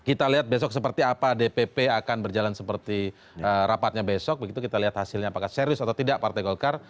kita lihat besok seperti apa dpp akan berjalan seperti rapatnya besok begitu kita lihat hasilnya apakah serius atau tidak partai golkar